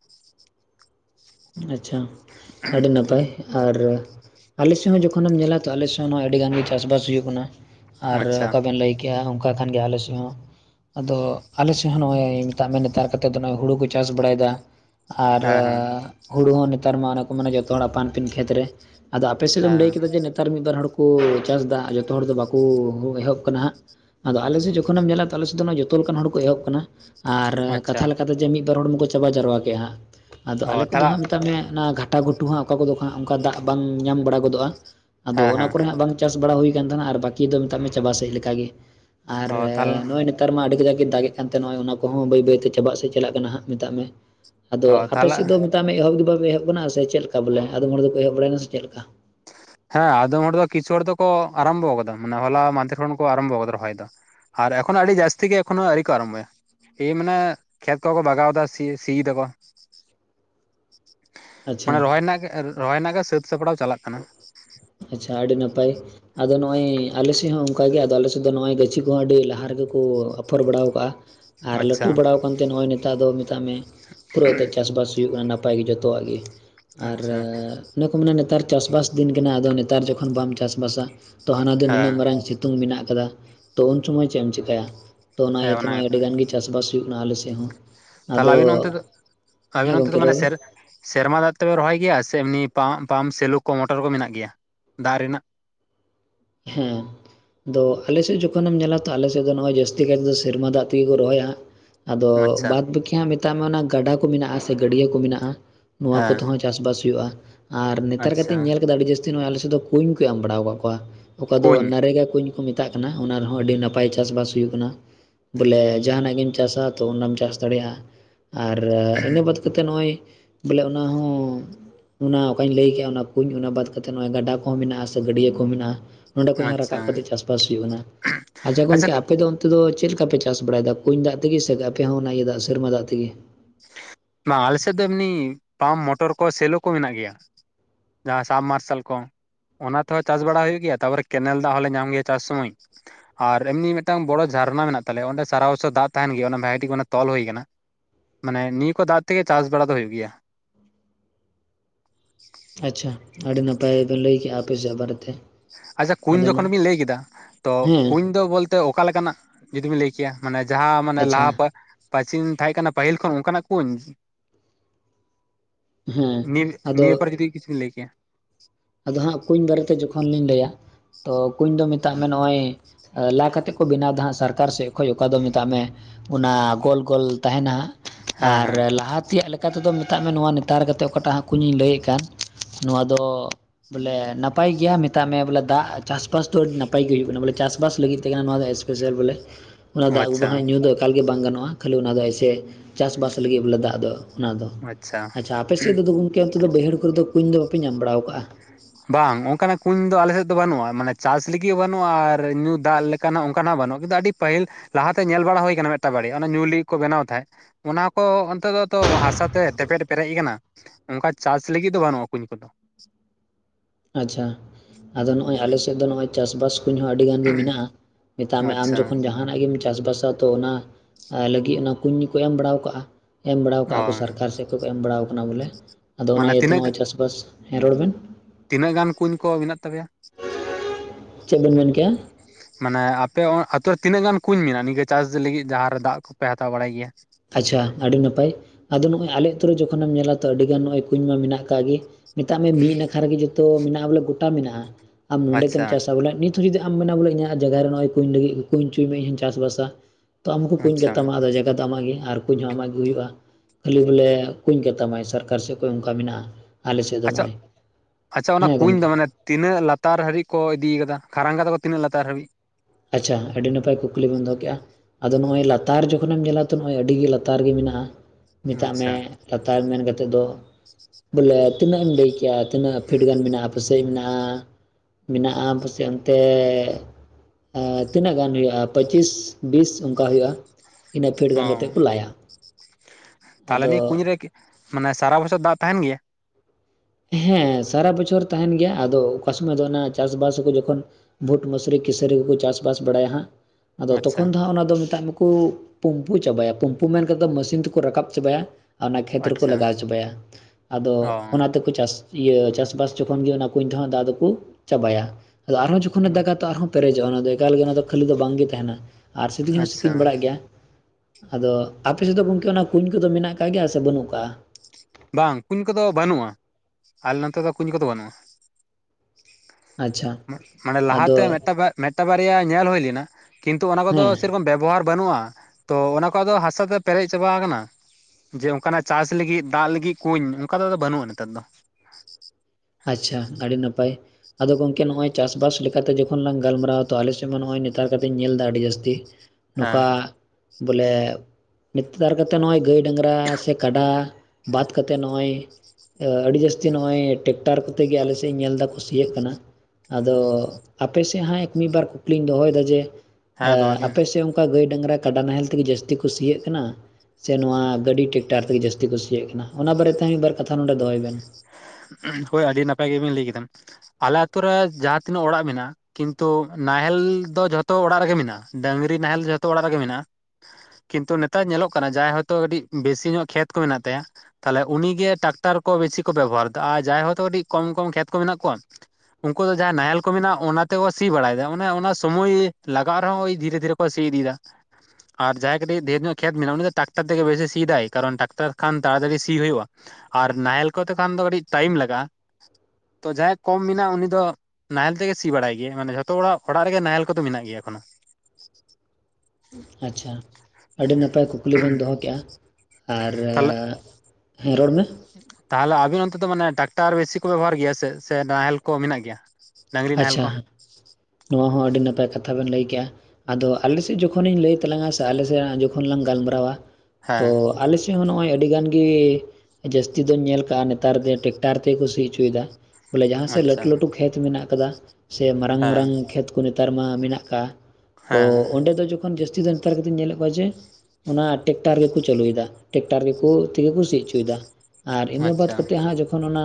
ᱟᱪᱪᱷᱟ ᱟᱹᱰᱤ ᱱᱟᱯᱟᱭ ᱾ ᱟᱨ ᱟᱞᱮ ᱥᱮᱫ ᱦᱚᱸ ᱡᱚᱠᱷᱚᱱᱮᱢ ᱧᱮᱞᱟ ᱛᱚ ᱟᱞᱮ ᱥᱮᱫ ᱦᱚᱸ ᱟᱹᱰᱤᱜᱟᱱ ᱜᱮ ᱪᱟᱥᱵᱟᱥ ᱦᱩᱭᱩᱜ ᱠᱟᱱᱟ ᱾ ᱟᱨ
ᱟᱪᱪᱷᱟ
ᱚᱠᱟ ᱵᱮᱱ ᱞᱟᱹᱭ ᱠᱮᱜᱼᱟ, ᱚᱱᱠᱟ ᱠᱷᱟᱱ ᱜᱮ ᱟᱞᱮ ᱥᱮᱫ ᱦᱚᱸ ᱟᱫᱚ ᱟᱞᱮ ᱥᱮᱫ ᱦᱚᱸ ᱱᱚᱜᱼᱚᱭ ᱢᱮᱛᱟᱜ ᱢᱮ ᱱᱮᱛᱟᱨ ᱠᱟᱛᱮᱫ ᱫᱚ ᱱᱚᱜᱚᱭ ᱦᱩᱲᱩ ᱠᱚ ᱪᱟᱥ ᱵᱟᱲᱟᱭᱮᱫᱟ ᱾ ᱟᱨᱻ
ᱦᱮᱸ ᱦᱮᱸ
ᱦᱩᱲᱩ ᱦᱚᱸ ᱱᱮᱛᱟᱨ ᱢᱟ ᱚᱱᱟ ᱠᱚ ᱢᱟᱱᱮ ᱡᱷᱚᱛᱚ ᱦᱚᱲ ᱟᱯᱟᱱ ᱟᱹᱯᱤᱱ ᱠᱷᱮᱛ ᱨᱮ ᱾ ᱟᱫᱚ ᱟᱯᱮ ᱥᱮᱫ ᱮᱢ ᱞᱟᱹᱭ
ᱦᱮᱸ
ᱠᱮᱫᱟ ᱡᱮ ᱱᱮᱛᱟᱨ ᱢᱤᱫ ᱵᱟᱨ ᱦᱚᱲ ᱠᱚ ᱪᱟᱥ ᱮᱫᱟ, ᱡᱷᱚᱛᱚ ᱦᱚᱲ ᱫᱚ ᱵᱟᱠᱚ ᱮᱦᱚᱵ ᱟᱠᱟᱱᱟ ᱦᱟᱸᱜ ᱾ ᱟᱫᱚ ᱟᱞᱮ ᱥᱮᱫ ᱡᱚᱠᱷᱚᱱᱮᱢ ᱧᱮᱞᱟ ᱟᱞᱮ ᱥᱮᱫ ᱫᱚ ᱡᱷᱚᱛᱚ ᱞᱮᱠᱟᱱ ᱦᱚᱲ ᱠᱚ ᱮᱦᱚᱵ ᱟᱠᱟᱱᱟ ᱾ ᱟᱨ
ᱟᱪᱪᱷᱟ
ᱠᱟᱛᱷᱟ ᱞᱮᱠᱟ ᱛᱮ ᱡᱮ ᱢᱤᱫ ᱵᱟᱨ ᱦᱚᱲ ᱢᱟᱠᱚ ᱪᱟᱵᱟ ᱡᱟᱣᱨᱟ ᱠᱮᱫᱮᱜᱼᱟ ᱦᱟᱸᱜ ᱾ ᱟᱫᱚ
ᱚ
ᱟᱞᱮ ᱠᱚᱫᱚ
ᱛᱟᱦᱚᱞᱮ
ᱦᱟᱸᱜ ᱢᱮᱛᱟᱜ ᱢᱮ ᱚᱱᱟ ᱜᱷᱟᱴᱟ ᱜᱷᱩᱴᱩ ᱦᱟᱸᱜ ᱚᱠᱟ ᱠᱚᱫᱚ ᱚᱱᱠᱟ ᱫᱟᱜ ᱵᱟᱝ ᱧᱟᱢ ᱵᱟᱲᱟ ᱜᱚᱫᱚᱜᱼᱟ ᱾ ᱟᱫᱚ
ᱦᱮᱸ
ᱚᱱᱟ
ᱦᱮᱸ
ᱠᱚᱨᱮ ᱦᱟᱸᱜ ᱵᱟᱝ ᱪᱟᱥ ᱵᱟᱲᱟ ᱦᱩᱭ ᱟᱠᱟᱱ ᱛᱟᱦᱮᱱᱟ ᱟᱨ ᱵᱟᱠᱤ ᱫᱚ ᱢᱮᱛᱟᱜ ᱢᱮ ᱪᱟᱵᱟ ᱥᱮᱫ ᱞᱮᱠᱟ ᱜᱮ ᱾ ᱟᱨᱻ
ᱚ ᱛᱟᱦᱚᱞᱮ
ᱱᱚᱜᱼᱚᱭ ᱱᱤᱛ ᱱᱮᱛᱟᱨ ᱢᱟ ᱟᱹᱰᱤ ᱠᱟᱡᱟᱠ ᱜᱮ ᱫᱟᱜᱮᱜ ᱠᱟᱱ ᱛᱟᱦᱮ ᱱᱚᱜᱼᱚᱭ ᱚᱱᱟ ᱠᱚᱦᱚᱸ ᱵᱟᱹᱭ ᱵᱟᱹᱭᱛᱮ ᱪᱟᱵᱟᱜ ᱥᱮᱫ ᱪᱟᱞᱟᱜ ᱠᱟᱱᱟ ᱦᱟᱸᱜ ᱢᱮᱛᱟᱜ ᱢᱮ ᱾ ᱟᱫᱚ
ᱚ
ᱟᱯᱮ
ᱛᱟᱦᱚᱞᱮ
ᱥᱮᱫ ᱫᱚ ᱢᱮᱛᱟᱜ ᱢᱮ ᱮᱦᱚᱵ ᱜᱮ ᱵᱟᱯᱮ ᱮᱦᱚᱵ ᱟᱠᱟᱱᱟ ᱥᱮ ᱪᱮᱫ ᱞᱮᱠᱟ ᱵᱚᱞᱮ ᱟᱫᱚᱢ ᱦᱚᱲ ᱫᱚᱠᱚ ᱮᱦᱚᱵ ᱵᱟᱲᱟᱭᱱᱟ ᱥᱮ ᱪᱮᱫ ᱞᱮᱠᱟ?
ᱦᱮᱸ ᱟᱫᱚᱢ ᱦᱚᱲ ᱫᱚ ᱠᱤᱪᱷᱩ ᱦᱚᱲ ᱫᱚᱠᱚ ᱟᱨᱟᱢᱵᱚ ᱟᱠᱟᱫᱟ ᱢᱟᱱᱮ ᱦᱚᱞᱟ ᱢᱟᱦᱫᱮᱨ ᱠᱷᱚᱱ ᱠᱚ ᱟᱨᱟᱢᱵᱚ ᱟᱠᱟᱫᱟ ᱨᱚᱦᱚᱭ ᱫᱚ ᱾ ᱟᱨ ᱮᱠᱷᱚᱱᱚ ᱟᱹᱰᱤ ᱡᱟᱹᱥᱛᱤ ᱜᱮ ᱮᱠᱷᱚᱱᱚ ᱟᱹᱣᱨᱤ ᱠᱚ ᱟᱨᱟᱢᱵᱚᱭᱟ ᱾ ᱮᱭ ᱢᱟᱱᱮ ᱠᱷᱮᱛ ᱠᱚᱠᱚ ᱵᱟᱜᱟᱣ ᱮᱫᱟ ᱥᱤ ᱥᱤᱭ ᱮᱫᱟ ᱠᱚ ᱾
[inaudible]
ᱢᱟᱱᱮ
ᱟᱪᱪᱷᱟ
ᱨᱚᱦᱚᱭ ᱨᱮᱱᱟᱜ ᱨᱚᱦᱚᱭ ᱨᱮᱱᱟᱜ ᱜᱮ ᱥᱟᱹᱛ ᱥᱟᱯᱲᱟᱣ ᱪᱟᱞᱟᱜ ᱠᱟᱱᱟ ᱾
ᱟᱪᱪᱷᱟ ᱟᱹᱰᱤ ᱱᱟᱯᱟᱭ ᱾ ᱟᱫᱚ ᱱᱚᱜᱼᱚᱸᱭ ᱟᱞᱮ ᱥᱮᱫ ᱦᱚᱸ ᱚᱱᱠᱟ ᱜᱮ ᱾ ᱟᱫᱚ ᱟᱞᱮ ᱥᱮᱫ ᱫᱚ ᱱᱚᱜᱼᱚᱸᱭ ᱜᱟᱹᱪᱷᱤ ᱠᱚᱦᱚᱸ ᱟᱹᱰᱤ ᱞᱟᱦᱟ ᱨᱮᱜᱮ ᱠᱚ ᱟᱯᱷᱚᱨ ᱵᱟᱲᱟᱣ ᱟᱠᱟᱜᱼᱟ ᱾ ᱟᱨ ᱞᱟᱹᱴᱩ
ᱟᱪᱪᱷᱟ
ᱵᱟᱲᱟᱣ ᱟᱠᱟᱱ ᱛᱮ ᱱᱚᱜᱼᱚᱭ ᱱᱮᱛᱟᱨ ᱫᱚ ᱢᱮᱛᱟᱜ ᱢᱮ ᱯᱩᱨᱟᱹᱣ ᱛᱮᱫ ᱪᱟᱥᱵᱟᱥ ᱦᱩᱭᱩᱜ ᱠᱟᱱᱟ ᱱᱟᱯ ᱱᱟᱯᱟᱭ ᱜᱮ ᱡᱚᱛᱚᱣᱟᱜ ᱜᱮ ᱾ ᱟᱨ
ᱟᱪᱪᱷᱟ
ᱚᱱᱮ ᱠᱚ ᱢᱮᱱᱟ ᱱᱮᱛᱟᱨ ᱪᱟᱥᱵᱟᱥ ᱫᱤᱱ ᱠᱟᱱᱟ ᱟᱫᱚ ᱱᱮᱛᱟᱨ ᱡᱚᱠᱷᱚᱱ ᱵᱟᱢ ᱪᱟᱥᱵᱟᱥᱟ ᱛᱚ ᱦᱟᱱᱟ ᱫᱚ
ᱦᱮᱸ
ᱱᱤᱱᱟᱹᱜ ᱢᱟᱨᱟᱝ ᱥᱤᱛᱩ ᱝ ᱢᱮᱱᱟᱜ ᱟᱠᱟᱫᱟ ᱛᱚ ᱩᱱ ᱥᱚᱢᱚᱭ ᱪᱮᱫ ᱮᱢ ᱪᱮᱠᱟᱭᱟ ᱛᱚ ᱚᱱᱟ
ᱦᱮᱸ
ᱤᱭᱟᱹᱛᱮ ᱱᱚᱜᱼᱚᱭ ᱟᱹᱰᱤ
ᱜᱮᱛᱚ
ᱜᱟᱱ ᱜᱮ ᱪᱟᱥᱵᱟᱥ ᱦᱩᱭᱩᱜ ᱠᱟᱱᱟ ᱟᱞᱮ ᱥᱮᱫ ᱦᱚᱸ᱾
ᱛᱟᱦᱚᱞᱮ
ᱟᱫᱚ
ᱟᱹᱵᱤᱱ ᱚᱱᱛᱮ ᱫᱚ [inaudible]
ᱦᱮᱸ
ᱟᱹᱵᱤᱱ ᱚᱱᱛᱮ ᱫᱚ
ᱜᱚᱢᱠᱮ
ᱢᱟᱱᱮ
ᱨᱚᱲ ᱢᱮ
ᱥᱮᱨ ᱥᱮᱨᱢᱟ ᱫᱟᱜ ᱛᱮᱯᱮ ᱨᱚᱦᱚᱭ ᱜᱮᱭᱟ ᱥᱮ ᱮᱢᱱᱤ ᱯᱟᱢ ᱯᱟᱢᱯ ᱥᱮᱞᱚ ᱠᱚ ᱢᱚᱴᱚᱨ ᱠᱚ ᱢᱮᱱᱟᱜ ᱜᱮᱭᱟ ᱫᱟᱜ ᱨᱮᱱᱟᱜ?
ᱦᱩᱸ ᱾ ᱟᱫᱚ ᱟᱞᱮ ᱥᱮᱫ ᱡᱚᱠᱷᱚᱱᱮᱢ ᱧᱮᱞᱟ ᱛᱚ ᱟᱞᱮ ᱥᱮᱫ ᱫᱚ ᱱᱚᱜᱼᱚᱭ ᱡᱟᱹᱥᱛᱤ ᱠᱟᱭ ᱛᱮ ᱫᱚ ᱥᱮᱨᱢᱟ ᱫᱟᱜ ᱛᱮᱜᱮ ᱠᱚ ᱨᱚᱦᱚᱭᱟ ᱾ ᱟᱫᱚ
ᱟᱪᱪᱷᱟ
ᱵᱟᱫᱽ ᱵᱟᱹᱠᱤ ᱦᱟᱸᱜ ᱢᱮᱛᱟᱜ ᱢᱮ ᱚᱱᱟ ᱜᱟᱰᱟ ᱠᱚ ᱢᱮᱱᱟᱜᱼᱟ ᱥᱮ ᱜᱟᱹᱰᱭᱟᱹ ᱠᱚ ᱢᱮᱱᱟᱜᱼᱟ ᱱᱚᱣᱟ ᱠᱚ
ᱦᱮᱸ
[unintelligible] ᱪᱟᱥᱵᱟᱥ ᱦᱩᱭᱩᱜᱼᱟ ᱾ ᱟᱨ ᱱᱮᱛᱟᱨ
ᱟᱪᱪᱷᱟ
ᱠᱟᱛᱮᱧ ᱧᱮᱞ ᱠᱮᱫᱟ ᱟᱹᱰᱤ ᱡᱟᱹᱥᱛᱤ ᱱᱚᱜᱼᱚᱭ ᱟᱞᱮᱥᱮᱫ ᱫᱚ ᱠᱩᱧ ᱠᱚ ᱮᱢ ᱵᱟᱲᱟᱣ ᱠᱟᱜ ᱠᱚᱣᱟ ᱾ ᱚᱠᱟ ᱫᱚ
ᱠᱩᱧ
ᱱᱟᱨᱮᱜᱟ ᱠᱩᱧ ᱠᱚ ᱢᱮᱛᱟᱜ ᱠᱟᱱᱟ ᱚᱱᱟ ᱨᱮᱦᱚᱸ ᱟᱹᱰᱤ ᱱᱟᱯᱟᱭ ᱪᱟᱥᱵᱟᱥ ᱦᱩᱭᱩᱜ ᱠᱟᱱᱟ ᱾ ᱵᱚᱞᱮ ᱡᱟᱦᱟᱸᱱᱟᱜ ᱜᱮᱢ ᱪᱟᱥᱟ ᱛᱚ ᱚᱱᱟᱢ ᱪᱟᱥ ᱫᱟᱲᱮᱭᱟᱜᱼᱟ ᱾ ᱟᱨ ᱤᱱᱟᱹ ᱵᱟᱫᱽ ᱠᱟᱛᱮᱫ ᱱᱚᱜᱼᱚᱭ ᱵᱚᱞᱮ ᱚᱱᱟ ᱦᱚᱸ ᱚᱱᱟ ᱚᱠᱟᱧ ᱞᱟᱹᱭ ᱠᱮᱜᱼᱟ ᱚᱱᱟ ᱠᱩᱧ ᱚᱱᱟ ᱵᱟᱫᱽ ᱠᱟᱛᱮᱜ ᱱᱚᱜᱼᱚᱭ ᱜᱟᱰᱟ ᱠᱚᱦᱚᱸ ᱢᱮᱱᱟᱜᱼᱟ ᱥᱮ ᱜᱟᱹᱰᱭᱟᱹ ᱠᱚᱦᱚᱸ ᱢᱮᱱᱟᱜᱼᱟ᱾ ᱱᱚᱸᱰᱮ ᱠᱷᱚᱡ ᱦᱚᱸ
ᱟᱪᱪᱷᱟ
ᱨᱟᱠᱟᱵ ᱠᱟᱛᱮ ᱪᱟᱥᱵᱟᱥ ᱦᱩᱭᱩᱜ ᱠᱟᱱᱟ ᱾ ᱟᱪᱪᱷᱟ ᱜᱚᱝᱠᱮ ᱟᱯᱮ ᱫᱚ ᱚᱱᱛᱮ ᱫᱚ ᱪᱮᱫ ᱞᱮᱠᱟ ᱯᱮ ᱪᱟᱥ ᱵᱟᱲᱟᱭᱮᱫᱟ ᱠᱩᱧ ᱫᱟᱜ ᱛᱮᱜᱮ ᱥᱮ ᱟᱯᱮ ᱦᱚᱸ ᱚᱱᱟ ᱤᱭᱟᱹ ᱫᱟᱜ ᱥᱮᱨᱢᱟ ᱫᱟᱜ ᱛᱮᱜᱮ?
ᱵᱟᱝ, ᱟᱞᱮ ᱥᱮᱫ ᱫᱚ ᱮᱢᱱᱤ ᱯᱟᱢᱯ ᱢᱚᱴᱚᱨ ᱠᱚ ᱥᱮᱞᱚ ᱠᱚ ᱢᱮᱱᱟᱜ ᱜᱮᱭᱟ ᱾ ᱡᱟᱦᱟᱸ ᱥᱟᱢ ᱢᱟᱨᱥᱟᱞ ᱠᱚ ᱚᱱᱟ ᱛᱮᱦᱚᱸ ᱪᱟᱥ ᱵᱟᱲᱟ ᱦᱩᱭᱩᱜ ᱜᱮᱭᱟ ᱾ ᱛᱟᱨᱯᱚᱨᱮ ᱠᱮᱱᱮᱞ ᱫᱟᱜ ᱦᱚᱸᱞᱮ ᱧᱟᱢ ᱜᱮᱭᱟ ᱪᱟᱥ ᱥᱩᱢᱚᱭ ᱾ ᱟᱨ ᱮᱢᱱᱤ ᱢᱤᱫᱴᱟᱝ ᱵᱚᱲᱚ ᱡᱷᱟᱨᱱᱟ ᱢᱮᱱᱟᱜ ᱛᱟᱞᱮᱭᱟ ᱚᱸᱰᱮ ᱥᱟᱨᱟ [unintelligible] ᱫᱟᱜ ᱛᱟᱦᱮᱱ ᱜᱮᱭᱟ, ᱚᱱᱟ ᱵᱷᱟᱹᱜᱤ ᱴᱷᱤᱠ ᱚᱱᱟ ᱛᱚᱞ ᱦᱩᱭ ᱟᱠᱟᱱᱟ ᱾ ᱢᱟᱱᱮ ᱱᱤᱭᱟᱹ ᱠᱚ ᱫᱟᱜ ᱛᱮᱜᱮ ᱪᱟᱥ ᱵᱟᱲᱟ ᱫᱚ ᱦᱩᱭᱩᱜ ᱜᱮᱭᱟ ᱾
ᱟᱪᱪᱷᱟ ᱟᱹᱰᱤ ᱱᱟᱯ ᱱᱟᱯᱟᱭ ᱵᱮᱱ ᱞᱟᱹᱭ ᱠᱮᱜᱼᱟ ᱟᱯᱮ ᱥᱮᱭᱟᱜ ᱵᱟᱨᱮ ᱛᱮ
ᱟᱪᱪᱷᱟ
[inaudible] ᱟᱫᱚ
ᱠᱩᱧ
ᱱᱚᱸᱜ
ᱡᱚᱠᱷᱚᱱ
[inaudible] ᱦᱮᱸ ᱾
ᱛᱮ ᱚᱠᱟ ᱞᱮᱠᱟᱱᱟᱜ ᱡᱩᱫᱤ ᱵᱤᱱ ᱞᱟᱹᱭ ᱠᱮᱭᱟ, ᱢᱟᱱᱮ ᱡᱟᱦᱟᱸ ᱢᱟᱱᱮ
ᱟᱪᱪᱷᱟ
ᱞᱟᱦᱟ [unintelligible] [unintelligible] ᱛᱟᱦᱮᱸ ᱠᱟᱱᱟ ᱯᱟᱹᱦᱤᱞ ᱠᱷᱚᱱ ᱚᱱᱠᱟᱱᱟᱜ ᱠᱩᱧ?
ᱦᱮᱸ
ᱱᱤ
ᱟᱫᱚ
ᱱᱤᱭᱟᱹ ᱯᱚᱨᱮ ᱡᱩᱫᱤ ᱠᱤᱪᱷᱩᱧ ᱞᱟᱹᱭ ᱠᱮᱭᱟ ᱾
ᱟᱫᱚ ᱦᱟᱸᱜ ᱠᱩᱧ ᱵᱟᱨᱮᱛᱮ ᱡᱚᱠᱷᱚᱱ ᱞᱤᱧ ᱞᱟᱹᱭᱟ ᱛᱚ ᱠᱩᱧ ᱫᱚ ᱢᱮᱛᱟᱜ ᱢᱮ ᱱᱚᱜᱼᱚᱭ ᱟ ᱞᱟ ᱠᱟᱛᱮᱫ ᱠᱚ ᱵᱮᱱᱟᱣ ᱫᱚ ᱦᱟᱸᱜ ᱥᱟᱨᱠᱟᱨ ᱥᱮᱫ ᱠᱷᱚᱡ ᱚᱠᱟ ᱫᱚ ᱢᱮᱛᱟᱜ ᱢᱮ ᱚᱱᱟ ᱜᱳᱞ ᱜᱳᱞ ᱛᱟᱦᱮᱱᱟ
ᱦᱮᱸ
ᱟᱨ
ᱦᱮᱸ
ᱞᱟᱦᱟ ᱛᱮᱭᱟᱜ ᱞᱟᱹᱠ ᱠᱟ ᱛᱮᱫᱚ ᱢᱮᱛᱟᱜ ᱱᱚᱣᱟ ᱱᱮᱛᱟᱨ ᱠᱟᱛᱮᱫ ᱚᱠᱟᱴᱟᱜ ᱦᱟᱸᱜ ᱠᱩᱧ ᱤᱧ ᱞᱟᱹᱭᱮᱜ ᱠᱟᱱ ᱱᱚᱣᱟ ᱫᱚ ᱵᱚᱞᱮ ᱱᱟᱯᱟᱭ ᱜᱮᱭᱟ ᱢᱮᱛᱟᱜ ᱢᱮ ᱵᱚᱞᱮ ᱫᱟᱜ ᱪᱟᱥᱵᱟᱥ ᱫᱚ ᱟᱹᱰᱤ ᱱᱟᱯᱟᱭ ᱜᱮ ᱦᱩᱭᱩᱜ ᱠᱟᱱᱟ ᱵᱚᱞᱮ ᱪᱟᱥᱵᱟᱥ ᱞᱟᱹᱜᱤᱫ ᱛᱮ ᱱᱟᱸᱜ ᱱᱚᱣᱟ ᱫᱚ ᱮᱥ ᱯᱮᱥᱮᱞ ᱵᱚᱞᱮ, ᱚᱱᱟ ᱫᱟᱜ ᱠᱚᱫᱚ
ᱟᱪᱪᱷᱟ
ᱦᱟᱸᱜ ᱧᱩ ᱫᱚ ᱮᱠᱟᱞ ᱜᱮ ᱵᱟᱝ ᱜᱟᱱᱚᱜᱼᱟ ᱠᱷᱟᱹᱞᱤ ᱚᱱᱟ ᱫᱚ ᱮᱭᱥᱮ ᱪᱟᱥᱵᱟᱥ ᱞᱟᱹᱜᱤᱫ ᱵᱚᱞᱮ ᱫᱟᱜ ᱫᱚ, ᱚᱱᱟ ᱫᱚ ᱟᱪᱪᱷᱟ, ᱟᱯᱮ ᱥᱮᱫ ᱟᱫᱚ ᱜᱚᱢᱠᱮ ᱚᱱᱛᱮ ᱫᱚ ᱵᱟᱹᱭᱦᱟᱹᱲ ᱠᱚᱨᱮ ᱫᱚ ᱠᱩᱸᱧ ᱫᱚ ᱵᱟᱯᱮ ᱧᱟᱢ ᱵᱟᱲᱟᱣ ᱠᱟᱜᱼᱟ?
ᱵᱟᱝ ᱚᱱᱠᱟᱱᱟᱜ ᱠᱩᱧ ᱫᱚ ᱟᱞᱮ ᱥᱮᱫ ᱫᱚ ᱵᱟᱹᱱᱩᱜᱼᱟ ᱢᱟᱱᱮ ᱪᱟᱥ ᱞᱟᱹᱜᱤᱫ ᱦᱚᱸ ᱵᱟᱹᱱᱩᱜᱼᱟ ᱟᱨ ᱧᱩ ᱫᱟᱜ ᱞᱟ ᱠᱟᱱᱟ ᱚᱱᱠᱟᱱᱟᱜ ᱦᱚ ᱵᱟᱹᱱᱩᱜ ᱠᱤᱱᱛᱩ ᱟᱹᱰᱤ ᱯᱟᱹᱦᱤᱞ ᱞᱟᱦᱟᱛᱮ ᱧᱮᱞ ᱵᱟᱲᱟ ᱦᱩᱭ ᱠᱟᱱᱟ ᱢᱤᱫᱴᱟᱜ ᱵᱟᱲᱮ ᱚᱱᱟ ᱧᱩ ᱞᱟᱹᱜᱤᱫ ᱠᱚ ᱵᱮᱱᱟᱣ ᱛᱟᱦᱮᱸᱫ ᱚᱱᱟ ᱠᱚ ᱚᱱᱛᱮ ᱫᱚ ᱛᱚ ᱦᱟᱥᱟ ᱛᱮ ᱛᱮᱯᱮᱫ ᱯᱮᱨᱮᱡ ᱟᱠᱟᱱᱟ, ᱚᱱᱠᱟ ᱪᱟᱥ ᱞᱟᱹᱜᱤᱫ ᱫᱚ ᱵᱟᱹᱱᱩᱜᱼᱟ ᱠᱩᱧ ᱠᱚᱫᱚ ᱾
ᱟᱪᱪᱷᱟ ᱾ ᱟᱫᱚ ᱱᱚᱜᱼᱚᱭ ᱟᱞᱮ ᱥᱮᱫ ᱫᱚ ᱱᱚᱜᱼᱚᱭ ᱪᱟᱥ ᱵᱟᱥ ᱠᱩᱧ ᱦᱚᱸ ᱟᱹᱰᱤ ᱜᱟᱱ ᱜᱮ ᱢᱮᱱᱟᱜᱼᱟ ᱢᱮᱛᱟᱜ ᱢᱮ ᱟᱢ
ᱟᱪᱪᱷᱟ
ᱡᱚᱠᱷᱚᱱ ᱡᱟᱦᱟᱸ ᱡᱟᱦᱟᱱᱟᱜ ᱜᱮᱢ ᱪᱟᱥ ᱵᱟᱥᱟ ᱛᱚ ᱚᱱᱟ ᱞᱟᱹᱜᱤᱫ ᱚᱱᱟ ᱠᱩᱧ ᱠᱚ ᱮᱢ ᱵᱟᱲᱟᱣ ᱠᱟᱜᱼᱟ, ᱮᱢ ᱵᱟᱲᱟᱣ
ᱚ
ᱠᱟᱜᱼᱟ ᱠᱚ ᱥᱟᱨᱠᱟᱨ ᱥᱮᱫ ᱠᱷᱚᱡ ᱠᱚ ᱮᱢ ᱵᱟᱲᱟᱣ ᱠᱟᱱᱟ ᱵᱚᱞᱮ ᱟᱫᱚ ᱚᱱᱟ
ᱢᱟᱱᱮ
ᱤᱭᱟᱹᱛᱮ
ᱛᱤᱱᱟᱹᱜ
ᱱᱚᱜᱼᱚᱭ ᱪᱟᱥᱵᱟᱥ, ᱦᱮᱸ ᱨᱚᱲ ᱵᱮᱱ ᱾
ᱛᱤᱱᱟᱹᱜ ᱜᱟᱱ ᱠᱩᱧ ᱠᱚ ᱢᱮᱱᱟᱜ ᱛᱟᱯᱮᱭᱟ?
ᱪᱮᱫ ᱵᱮᱱ ᱢᱮᱱ ᱠᱮᱜ-ᱟ?
ᱢᱟᱱᱮ ᱟᱯᱮ ᱟᱹᱛᱩ ᱨᱮ ᱛᱤᱱᱟᱹᱜ ᱜᱟᱱ ᱠᱩᱧ ᱢᱮᱱᱟᱜ ᱱᱤᱝᱠᱟᱹ ᱪᱟᱥ ᱞᱟᱹᱜᱤᱫ ᱡᱟᱦᱟᱸ ᱨᱮ ᱫᱟᱜ ᱠᱚᱯᱮ ᱦᱟᱛᱟᱣ ᱵᱟᱲᱟᱭ ᱜᱮᱭᱟ?
ᱟᱪᱪᱷᱟ ᱟᱹᱰᱤ ᱱᱟᱯᱟᱭ, ᱟᱫᱚ ᱱᱚᱜᱼᱚᱭ ᱟᱞᱮ ᱟᱹᱛᱩ ᱨᱮ ᱡᱚᱠᱷᱚᱱᱮᱢ ᱧᱮᱞᱟ ᱛᱚ ᱟᱹᱰᱤ ᱜᱟᱱ ᱱᱚᱜᱼᱚᱭ ᱠᱩᱧ ᱢᱟ ᱢᱮᱱᱟᱜ ᱠᱟᱜ ᱜᱮ, ᱢᱮᱛᱟᱜ ᱢᱮ ᱢᱤᱫ ᱱᱟᱠᱷᱟ ᱨᱮᱜᱮ ᱡᱚᱛᱚ ᱢᱮᱱᱟᱜᱼᱟ ᱵᱚᱞᱮ ᱜᱚᱴᱟ ᱢᱮᱱᱟᱜᱼᱟ ᱟᱢ ᱱᱚᱸᱰᱮ ᱛᱮᱢ
ᱟᱪᱪᱷᱟ
ᱪᱟᱥᱟ ᱵᱚᱞᱮ ᱱᱤᱛ ᱱᱤᱛ ᱦᱚᱸ ᱡᱩᱫᱤ ᱟᱢ ᱢᱮᱱᱟ ᱵᱚᱞᱮ ᱤᱧᱟᱹᱜ ᱡᱟᱭᱜᱟ ᱨᱮ ᱱᱚᱜ-ᱚᱭ ᱠᱩᱧ ᱞᱟᱹᱜᱤᱫ ᱠᱚ ᱠᱩᱧ ᱪᱩᱭ ᱢᱮ ᱤᱧ ᱦᱚᱸᱧ ᱪᱟᱥ ᱵᱟᱥᱟ ᱛᱚ ᱟᱢ ᱦᱚᱠᱚ ᱠᱩᱧ
ᱟᱪᱪᱷᱟ
ᱠᱟᱜ ᱛᱟᱢᱟ ᱟᱫᱚ ᱡᱟᱭᱜᱟ ᱫᱚ ᱟᱢᱟᱜ ᱜᱮ ᱟᱨ ᱠᱩᱸᱧ ᱦᱚᱸ ᱟᱢᱟᱜ ᱜᱮ ᱦᱩᱭᱩᱜᱼᱟ ᱠᱷᱟᱹᱞᱤ ᱵᱚᱞᱮ ᱠᱩᱸᱧ ᱠᱟᱜᱛᱟᱢᱟᱭ ᱥᱚᱨᱠᱟᱨ ᱥᱮᱫ ᱠᱷᱚᱡ ᱚᱱᱠᱟ ᱢᱮᱱᱟᱜᱼᱟ ᱾
ᱟᱪᱪᱷᱟ ᱟᱪᱪᱷᱟ ᱚᱱᱟ ᱠᱩᱧ
ᱜᱚᱢᱠᱮ
ᱫᱚ ᱢᱟᱱᱮ ᱾ ᱛᱤᱱᱟᱹᱜ ᱞᱟᱛᱟᱨ ᱦᱟᱹᱨᱤᱡ ᱠᱚ ᱤᱫᱤ ᱟᱠᱟᱫᱟ? ᱠᱷᱟᱨᱟᱝ ᱟᱠᱟᱫᱟ ᱠᱚ ᱛᱤᱱᱟᱹᱜ ᱞᱟᱛᱟᱨ ᱦᱟᱹᱵᱤᱡ?
ᱟᱪᱪᱷᱟ ᱟᱹᱰᱤ ᱱᱟᱯᱟᱭ ᱠᱩᱠᱞᱤ ᱵᱚᱱ ᱫᱚᱦᱚ ᱠᱮᱫᱼᱟ, ᱟᱫᱚ ᱱᱚᱜᱼᱚᱭ ᱞᱟᱛᱟᱨ ᱡᱚᱠᱷᱚᱱᱮᱢ ᱧᱮᱞᱟ ᱛᱚ ᱱᱚᱜ-ᱚᱭ ᱟᱹᱰᱤ ᱜᱮ ᱞᱟᱛᱟᱨ ᱜᱤ ᱢᱮᱱᱟᱜᱼᱟ ᱢᱮᱛᱟᱜ ᱢᱮ
ᱟᱪᱪᱷᱟ
ᱞᱟᱛᱟᱨ ᱢᱮᱱ ᱠᱟᱛᱮᱫ ᱫᱚ ᱵᱚᱞᱮ ᱛᱤᱱᱟᱹᱜ ᱮᱢ ᱞᱟᱹᱭ ᱠᱮ-ᱟ ᱛᱤᱱᱟᱹᱜ ᱯᱷᱤᱴ ᱜᱟᱱ ᱢᱮᱱᱟᱜᱼᱟ ᱯᱟᱹᱥᱮᱡ ᱢᱮᱱᱟᱜᱼᱟ ᱢᱮᱱᱟᱜᱼᱟ ᱯᱟᱥᱮᱫ ᱚᱱᱛᱮ ᱟ ᱛᱤᱱᱟᱹᱜ ᱜᱟᱱ ᱦᱩᱭᱩᱜᱼᱟ ᱯᱟᱹᱪᱤᱥ ᱵᱤᱥ ᱚᱱᱠᱟ ᱦᱩᱭᱩᱜᱼᱟ, ᱤᱱᱟᱹ ᱯᱷᱤᱴ ᱜᱟᱱ ᱠᱟᱛᱮᱫ
ᱚ
ᱠᱚ ᱞᱟᱭᱟ ᱟᱫᱚ
ᱮᱠᱮ ᱢᱟᱱᱮ ᱥᱟᱨᱟ ᱵᱚᱪᱷᱚᱨ ᱫᱟᱜ ᱛᱟᱦᱮᱱ ᱜᱮᱭᱟ?
ᱦᱮᱸ ᱥᱟᱨᱟ ᱵᱚᱪᱷᱚᱨ ᱛᱟᱦᱮᱱ ᱜᱮᱭᱟ ᱟᱫᱚ ᱚᱠᱟ ᱥᱚᱢᱚᱭ ᱫᱚ ᱚᱱᱟ ᱪᱟᱥᱵᱟᱥ ᱟᱠᱚ ᱡᱚᱠᱷᱚᱱ ᱵᱩᱴ ᱢᱟᱥᱨᱤ, ᱠᱤᱥᱟᱹᱨᱤ ᱠᱚᱠᱚ ᱪᱟᱥᱵᱟᱥ ᱵᱟᱲᱟᱭᱟ ᱦᱟᱸᱜ ᱟᱫᱚ
ᱟᱪᱪᱷᱟ
ᱛᱚᱠᱷᱚᱱ ᱫᱚ ᱦᱟᱸᱜ ᱚᱱᱟᱫᱚ ᱢᱮᱛᱟᱜ ᱢᱟᱠᱚ ᱯᱩᱢᱯᱩ ᱪᱟᱵᱟᱭᱟ ᱯᱩᱢᱯᱩ ᱢᱮᱱ ᱠᱟᱛᱮ ᱢᱟᱹᱥᱤᱱ ᱛᱮᱠᱚ ᱨᱟᱠᱟᱵ ᱪᱟᱵᱟᱭᱟ, ᱟᱨ ᱚᱱᱟ ᱠᱷᱮᱛ ᱨᱮᱠᱚ
ᱟᱪᱪᱷᱟ
ᱞᱟᱜᱟᱣ ᱪᱟᱵᱟᱭᱟ, ᱟᱫᱚ
ᱚ
ᱚᱱᱟ ᱛᱮᱠᱚ ᱪᱟᱥ ᱤᱭᱟᱹ ᱪᱟᱥᱵᱟᱥ ᱡᱚᱠᱷᱚᱱ ᱜᱮ ᱚᱱᱟ ᱠᱩᱧ ᱛᱮᱦᱚᱸ ᱫᱟᱜ ᱫᱚᱠᱚ ᱪᱟᱵᱟᱭᱟ ᱟᱫᱚ ᱟᱨᱦᱚᱸ ᱡᱚᱠᱷᱚᱱ ᱡᱚᱠᱷᱚᱱᱮ ᱫᱟᱜᱟ ᱛᱮ ᱟᱨᱦᱚᱸ ᱯᱮᱨᱮᱡᱚᱜᱼᱟ ᱚᱱᱟ ᱫᱚ ᱮᱠᱟᱞᱜᱮ ᱚᱱᱟ ᱫᱚ ᱠᱷᱟᱹᱞᱤ ᱫᱚ ᱵᱟᱝᱜᱮ ᱛᱟᱦᱮᱱᱟ, ᱟᱨ ᱥᱮᱛᱤᱧ ᱦᱚᱸ
ᱟᱪᱪᱷᱟ
ᱥᱮᱛᱤᱧ ᱵᱟᱲᱟᱜ ᱜᱮᱭᱟ, ᱟᱫᱚ ᱟᱯᱮᱥᱮᱫ ᱫᱚ ᱜᱚᱝᱠᱮ ᱚᱱᱟ ᱠᱩᱧ ᱠᱚᱫᱚ ᱢᱮᱱᱟᱜ ᱟᱠᱟᱫ ᱜᱮᱭᱟ ᱥᱮ ᱵᱟᱹᱱᱩᱜ ᱟᱠᱟᱜᱼᱟ?
ᱵᱟᱝ ᱠᱩᱧ ᱠᱚᱫᱚ ᱵᱟᱹᱱᱩᱜᱼᱟ ᱟᱞᱮ ᱱᱚᱛᱮ ᱫᱚ ᱠᱩᱧ ᱠᱚᱫᱚ ᱵᱟᱹᱱᱩᱜᱼᱟ᱾
ᱟᱪᱪᱷᱟ
ᱢᱟᱱᱮ
ᱟᱫᱚ
ᱞᱟᱦᱟᱛᱮ ᱢᱤᱫᱴᱟᱱ ᱵᱟᱨ ᱢᱤᱫᱴᱟᱝ ᱵᱟᱨᱭᱟ ᱧᱮᱞ ᱦᱩᱭ ᱞᱮᱱᱟ ᱠᱤᱱᱛᱩ ᱚᱱᱟ ᱠᱚᱫᱚ
ᱦᱮᱸ
ᱥᱮᱨᱚᱠᱚᱢ ᱵᱮᱵ ᱵᱮᱵᱚᱦᱟᱨ ᱵᱟᱹᱱᱩᱜᱼᱟ ᱛᱚ ᱚᱱᱟ ᱠᱚ ᱫᱚ ᱦᱟᱥᱟᱛᱮ ᱯᱮᱨᱮᱡ ᱪᱟᱵᱟ ᱟᱠᱟᱱᱟ ᱡᱮ ᱚᱱᱠᱟᱱᱟᱜ ᱪᱟᱥ ᱞᱟᱹᱜᱤᱫ ᱫᱟᱜ ᱞᱟᱹᱜᱤᱫ ᱠᱩᱧ ᱚᱱᱠᱟ ᱛᱮᱫᱚ ᱵᱟᱹᱱᱩᱜᱼᱟ ᱱᱮᱛᱟᱨ ᱫᱚ᱾
ᱟᱪᱪᱷᱟ ᱟᱹᱰᱤ ᱱᱟᱯᱟᱭ᱾ ᱟᱫᱚ ᱜᱚᱝᱠᱮ ᱱᱚᱜ ᱚᱭ ᱪᱟᱥᱵᱟᱥ ᱞᱮᱠᱟᱛᱮ ᱟᱫᱚ ᱜᱚᱢᱠᱮ ᱱᱚᱜ-ᱚᱭ ᱪᱟᱥ-ᱵᱟᱥ ᱞᱮᱠᱟᱛᱮ ᱡᱚᱠᱷᱚᱱ ᱞᱟᱝ ᱜᱟᱞᱢᱟᱨᱟᱣᱟ ᱛᱚ ᱟᱞᱮ ᱥᱮᱫ ᱢᱟ ᱱᱚᱜ-ᱚᱭ ᱱᱮᱛᱟᱨ ᱠᱟᱛᱮᱧ ᱧᱮᱞ ᱮᱫᱟ ᱟᱹᱰᱤ ᱡᱟᱹᱥᱛᱤ
ᱦᱮᱸ
ᱱᱚᱝᱠᱟ ᱵᱚᱞᱮ ᱱᱮᱛᱟᱨ ᱠᱟᱛᱮ ᱱᱚᱜ-ᱚᱭ ᱜᱟᱹᱭ ᱰᱟᱝᱨᱟ ᱥᱮ ᱠᱟᱰᱟ ᱵᱟᱫ ᱠᱟᱛᱮ ᱱᱚᱜᱼᱚᱭ ᱟᱹᱰᱤ ᱡᱟᱹᱥᱛᱤ ᱱᱚᱜᱼᱚᱭ ᱴᱮᱠ ᱴᱟᱨ ᱠᱚᱛᱮ ᱜᱮ ᱟᱞᱮ ᱥᱮᱫ ᱤᱧ ᱧᱮᱞ ᱮᱫᱟ ᱠᱩ ᱥᱤᱭᱮᱫ ᱠᱟᱱᱟ᱾ ᱟᱫᱚ ᱟᱯᱮ ᱥᱮᱫ ᱦᱚᱸ ᱢᱤᱫ ᱵᱟᱨ ᱠᱩᱠᱞᱤᱧ ᱫᱚᱦᱚᱭᱮᱫᱟ ᱡᱮ ᱮ
ᱦᱮᱸ ᱫᱚᱦᱚᱭ ᱵᱤᱱ
ᱟᱯᱮᱥᱮᱫ ᱠᱟ ᱜᱟᱹᱭ ᱰᱟᱝᱨᱟ ᱠᱟᱰᱟ ᱱᱟᱦᱮᱞ ᱛᱮᱜᱮ ᱡᱟᱹᱥᱛᱤ ᱠᱩ ᱥᱤᱭ-ᱮᱫ ᱠᱟᱱᱟ ᱥᱮ ᱱᱚᱣᱟ ᱜᱟᱹᱰᱤ ᱴᱮᱠᱴᱟᱨ ᱛᱮᱜᱮ ᱡᱟᱹᱥᱛᱤ ᱠᱩ ᱥᱤᱭᱟᱜ ᱠᱟᱱᱟ ᱚᱱᱟ ᱵᱟᱨᱮᱛᱮ ᱦᱚ ᱢᱤᱫ ᱵᱟᱨ ᱠᱟᱛᱷᱟ ᱱᱚᱰᱮ ᱫᱚᱦᱚᱭ ᱵᱮᱱ?
ᱦᱳᱭ ᱟᱹᱰᱤ ᱱᱟᱯᱟᱭ ᱜᱮᱵᱤᱱ ᱞᱟᱹᱭ ᱠᱮᱫᱟ ᱟᱞᱮ ᱟᱛᱳ ᱨᱮ ᱡᱟᱦᱟ ᱛᱤᱱᱟᱹᱜ ᱚᱲᱟᱜ ᱢᱮᱱᱟᱜᱼᱟ, ᱠᱤᱱᱛᱩ ᱱᱟᱦᱮᱞ ᱫᱚ ᱡᱷᱚᱛᱚ ᱚᱲᱟᱜ ᱨᱮᱜᱮ ᱢᱮᱱᱟᱜᱼᱟ ᱰᱟᱹᱟᱝᱨᱤ ᱱᱟᱦᱮᱞ ᱡᱷᱚᱛᱚ ᱚᱲᱟᱜ ᱨᱮᱜᱮ ᱢᱮᱱᱟᱜᱼᱟ᱾ ᱠᱤᱱᱛᱩ ᱱᱮᱛᱟᱨ ᱧᱮᱞᱚᱜ ᱠᱟᱱᱟ ᱡᱟᱦᱟᱭ ᱦᱚᱭᱛᱳ ᱠᱟᱹᱴᱤᱡ ᱵᱮᱥᱤ ᱧᱚᱜ ᱠᱷᱮᱛ ᱠᱚ ᱢᱮᱱᱟᱜ ᱛᱟᱭᱟ, ᱛᱟᱦᱞᱮ ᱩᱱᱤᱜᱮ ᱴᱨᱟᱠᱴᱟᱨ ᱠᱚ ᱵᱮᱥᱤ ᱠᱚ ᱵᱮᱵᱚᱦᱟᱨᱫᱟ ᱟᱨ ᱡᱟᱦᱟᱭ ᱦᱚᱲ ᱫᱚ ᱠᱟᱹᱴᱤᱡ ᱠᱚᱢ ᱠᱚᱢ ᱠᱷᱮᱛ ᱠᱚ ᱢᱮᱱᱟᱜ ᱠᱚᱣᱟ, ᱩᱱᱠᱩ ᱫᱚ ᱡᱟᱦᱟᱸᱭ ᱱᱟᱦᱮᱞ ᱠᱚ ᱢᱮᱱᱟᱜ ᱚᱱᱟ ᱛᱮᱠᱚ ᱥᱤ ᱵᱟᱲᱟᱭᱮᱫᱟ ᱚᱱᱮ ᱚᱱᱟ ᱥᱚᱢᱳᱭ ᱞᱟᱜᱟᱜ ᱨᱮᱦᱚᱸ ᱳᱭ ᱫᱷᱤᱨᱮ ᱫᱷᱤᱨᱮ ᱠᱚ ᱥᱤ ᱤᱫᱤ-ᱮᱫᱟ᱾ ᱟᱨ ᱡᱟᱦᱟᱸᱭ ᱠᱟᱹᱴᱤᱡ ᱰᱷᱮᱨ ᱧᱚᱜ ᱠᱷᱮᱛ ᱢᱮᱱᱟᱜ-ᱟ ᱩᱱᱤ ᱫᱚ ᱴᱟᱠᱴᱟᱨ ᱛᱮᱜᱮ ᱵᱮᱥᱤ ᱥᱤ ᱫᱟᱭ ᱠᱟᱨᱚᱱ ᱴᱟᱠᱴᱟᱨ ᱠᱷᱟᱱ ᱛᱟᱲᱟᱛᱟᱲᱤ ᱥᱤ ᱦᱩᱭᱩᱜᱼᱟ᱾ ᱟᱨ ᱱᱟᱦᱮᱞ ᱠᱚᱛᱮ ᱠᱷᱟᱱ ᱫᱚ ᱠᱟᱹᱴᱤᱡ ᱴᱟᱭᱤᱢ ᱞᱟᱜᱟᱜᱼᱟ ᱾ᱛᱚ ᱡᱟᱦᱟᱸᱭᱟᱜ ᱠᱚᱢ ᱢᱮᱱᱟᱜ ᱩᱱᱤ ᱫᱚ ᱱᱟᱦᱮᱞ ᱛᱮᱜᱮ ᱥᱤ ᱵᱟᱲᱟᱭ ᱜᱮ ᱢᱟᱱᱮ ᱡᱷᱚᱛᱚ ᱦᱚᱲᱟᱜ ᱚᱲᱟᱜ ᱨᱮᱜᱮ ᱱᱟᱦᱮᱞ ᱠᱚᱫᱚ ᱢᱮᱱᱟᱜ ᱜᱮᱭᱟ ᱮᱠᱷᱚᱱᱳ᱾
ᱟᱪᱪᱷᱟ ᱟᱹᱰᱤ ᱱᱟᱯᱟᱭ ᱠᱩᱠᱞᱤ ᱵᱤᱱ ᱫᱚᱦᱚ ᱠᱮᱫᱼᱟ ᱟᱨ,
ᱛᱟᱦᱚᱞᱮ
ᱦᱮᱸ ᱨᱚᱲ ᱢᱮ?
ᱛᱟᱦᱚᱞᱮ ᱟᱵᱤᱱ ᱚᱱᱛᱮ ᱫᱚ ᱢᱟᱱᱮ ᱴᱨᱟᱠᱴᱟᱨ ᱵᱮᱥᱤ ᱠᱚ ᱵᱮᱵᱚᱦᱟᱨ ᱜᱮᱭᱟ ᱥᱮ ᱥᱮ ᱱᱟᱦᱮᱞ ᱠᱚ ᱢᱮᱱᱟᱜ ᱜᱮᱭᱟ? ᱰᱟᱝᱨᱤ ᱱᱟᱦᱮᱞ
ᱟᱪᱪᱷᱟ
ᱠᱚ
ᱱᱚᱣᱟ ᱦᱚᱸ ᱟᱹᱰᱤ ᱱᱟᱯᱟᱭ ᱠᱟᱛᱷᱟ ᱵᱮᱱ ᱞᱟᱹᱭ ᱠᱮᱫᱼᱟ, ᱟᱫᱚ ᱟᱞᱮ ᱥᱮᱫ ᱡᱚᱠᱷᱚᱱᱤᱧ ᱞᱟᱹᱭ ᱛᱟᱞᱟᱝ-ᱟ ᱥᱮ ᱟᱞᱮ ᱥᱮᱫ ᱦᱚ ᱡᱚᱠᱷᱚᱱ ᱞᱟᱝ ᱜᱟᱞᱢᱟᱨᱟᱣᱟ ᱛᱚ
ᱦᱮᱸ
ᱟᱞ ᱥ ᱛᱮ ᱦᱚᱸ ᱱᱚᱜᱼᱚᱭ ᱟᱹᱰᱤ ᱜᱟᱱ ᱜᱮ ᱡᱟᱹᱥᱛᱤ ᱫᱚᱧ ᱧᱮᱞ ᱟᱠᱟᱜᱼᱟ ᱱᱮᱛᱟᱨ ᱫᱚ ᱴᱮᱠᱴᱟᱨ ᱛᱮᱜᱮ ᱠᱩ ᱥᱤ ᱚᱪᱚᱭᱮᱫᱟ᱾ ᱵᱚᱞᱮ ᱡᱟᱦᱟᱸ ᱥᱮᱫ
ᱟᱪᱪᱷᱟ
ᱞᱟᱹᱴᱩ ᱞᱟᱹᱴᱩ ᱠᱷᱮᱛ ᱢᱮᱱᱟᱜ ᱠᱟᱫᱟ ᱥᱮ ᱢᱟᱨᱟᱝ
ᱦᱮᱸ
ᱢᱟᱨᱟᱝ ᱠᱷᱮᱛ ᱠᱚ ᱱᱮᱛᱟᱨ ᱢᱟ ᱢᱮᱱᱟᱜ ᱟᱠᱟᱫ ᱾ ᱛᱚ
ᱦᱮᱸ
ᱚᱸᱰᱮ ᱫᱚ ᱡᱚᱠᱷᱚᱱ ᱡᱟᱹᱥᱛᱤ ᱫᱚ ᱱᱮᱛᱟᱨ ᱠᱟᱛᱮᱧ ᱧᱮᱞᱮᱫ ᱠᱚᱣᱟ ᱡᱮ ᱚᱱᱟ ᱴᱮᱠᱴᱟᱨ ᱜᱮᱠᱚ ᱪᱟᱹᱞᱩᱭᱮᱫᱟ ᱴᱮᱠᱴᱟᱨᱠᱚ ᱛᱮᱜᱮ ᱠᱚ ᱥᱤ ᱦᱚᱪᱚᱭᱮᱫᱟ ᱾ ᱟᱨ ᱤᱱᱟᱹ
ᱟᱪᱪᱷᱟ
ᱵᱟᱫ ᱠᱟᱛᱮ ᱦᱟᱸᱜ ᱡᱚᱠᱷᱚᱱ ᱚᱱᱟ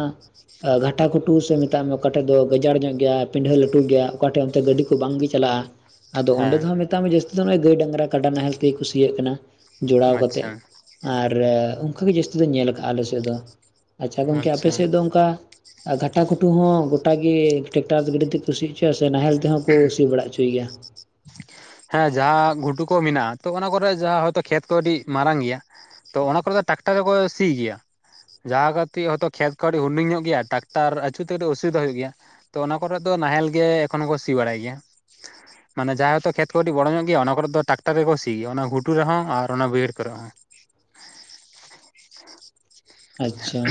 ᱜᱷᱟᱴᱟ ᱜᱷᱩᱴᱩ ᱥᱮ ᱢᱮᱛᱟᱜ ᱢᱮ ᱚᱠᱟᱴᱷᱮᱡ ᱫᱚ ᱜᱟᱡᱟᱲ ᱧᱚᱜ ᱭᱟ ᱯᱤᱰᱷᱟᱹ ᱞᱟᱹᱴᱩ ᱜᱮᱭᱟ ᱚᱠᱟ ᱴᱷᱮᱱ ᱚᱱᱛᱮ ᱜᱟᱹᱰᱤ ᱠᱚ ᱵᱟᱝᱜ ᱜᱮ ᱪᱟᱞᱟᱜᱼᱟ ᱟᱫᱚ
ᱦᱮᱸ
ᱚᱸᱰᱮ ᱫᱚ ᱦᱚᱸ ᱡᱟᱹᱥᱛᱤ ᱫᱚ ᱱᱚᱜᱚᱭ ᱜᱟᱹᱭ ᱰᱟᱝᱨᱟ ᱠᱟᱰᱟ ᱱᱟᱦᱮᱞ ᱛᱮᱜᱭ ᱠᱩ ᱥᱤᱭᱟᱹᱜ ᱠᱟᱱᱟ ᱡᱚᱲᱟᱣ
ᱟᱪᱪᱷᱟ
ᱠᱟᱛᱮ᱾ ᱟᱨ ᱚᱱᱠᱟᱜᱮ ᱡᱟᱹᱥᱛᱤ ᱫᱚᱧ ᱧᱮᱞ ᱠᱟᱜᱼᱟ ᱟᱞᱮ ᱥᱮᱫ ᱫᱚ ᱾ᱟᱪᱷᱟ ᱜᱚᱢᱠᱮ ᱟᱯᱮ
ᱟᱪᱪᱷᱟ
ᱥᱮᱫ ᱫᱚ ᱚᱱᱠᱟ ᱟᱨ ᱜᱷᱟᱴᱟ ᱠᱷᱩᱴᱩ ᱦᱚᱸ ᱜᱚᱴᱟ ᱜᱮ ᱴᱮᱠᱴᱟᱨ ᱜᱟᱰᱤ ᱛᱮᱠᱩ ᱥᱤ ᱦᱚᱪᱚᱭᱟ ᱥᱮ ᱱᱟᱦᱮᱞ ᱛᱮᱦᱚᱸ ᱠᱩ ᱥᱤ ᱵᱟᱲᱟ ᱦᱚᱪᱚᱭ ᱜᱮᱭᱟ?
ᱦᱮᱸ ᱡᱟᱦᱟᱸ ᱜᱷᱩᱴᱩ ᱠᱚ ᱢᱮᱱᱟᱜ-ᱟ ᱛᱚ ᱚᱱᱟ ᱠᱚᱨᱮ ᱡᱟᱦᱟᱸ ᱦᱚᱭᱛᱚ ᱠᱷᱮᱛ ᱠᱚ ᱟᱹᱰᱤ ᱢᱟᱨᱟᱝ ᱜᱮᱭᱟ, ᱛᱚ ᱚᱱᱟ ᱠᱚᱨᱮ ᱫᱚ ᱴᱟᱠᱴᱟᱨ ᱫᱚᱠᱚ ᱥᱤ ᱜᱮᱭᱟ᱾ ᱡᱟᱦᱟᱸ ᱠᱟᱹᱴᱤᱜ ᱦᱚᱛᱚ ᱠᱷᱮᱛ ᱠᱚ ᱟᱰᱤ ᱦᱩᱰᱤᱝ ᱧᱚᱜ ᱜᱮᱭᱟ ᱴᱟᱠᱴᱟᱨ ᱟᱪᱩᱨ ᱛᱮ [inaudible] ᱚᱥᱩᱵᱤᱫᱟ ᱦᱩᱭᱩᱜ ᱜᱮᱭᱟ ᱛᱚ ᱚᱱᱟ ᱠᱚᱨᱮ ᱫᱚ ᱱᱟᱦᱮᱞ ᱜᱮ ᱮᱠᱷᱚᱱ ᱦᱚᱸᱠᱚ ᱥᱤ ᱵᱟᱲᱟᱭ ᱜᱮᱭᱟ᱾
[inaudible]
ᱢᱟᱱᱮ ᱡᱟᱦᱟᱸ ᱦᱚᱭᱛᱚ ᱠᱷᱮᱛ ᱠᱚ ᱠᱟᱹᱴᱤᱜ ᱵᱚᱲᱚ ᱧᱚᱜ ᱜᱮᱭᱟ ᱚᱱᱟ ᱠᱚᱨᱮ ᱫᱚ ᱴᱟᱠᱴᱟᱨ ᱨᱮᱠᱚ ᱥᱤ ᱜᱮᱭᱟ ᱚᱱᱟ ᱜᱷᱩᱴᱩ ᱨᱮᱦᱚᱸ ᱟᱨ ᱚᱱᱟ ᱵᱟᱹᱭᱦᱟᱹᱲ ᱠᱚᱨᱮ ᱦᱚᱸ᱾
ᱟᱪᱪᱷᱟ